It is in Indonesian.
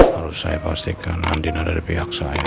harus saya pastikan andien ada di pihak saya